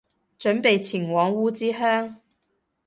準備前往烏之鄉